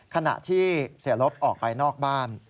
ขณะที่เสียลบออกไปนอกบ้าน